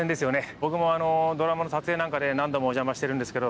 僕もドラマの撮影なんかで何度もお邪魔してるんですけど。